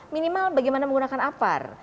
minimal bagaimana menggunakan apar